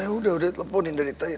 udah udah telfonin dari tadi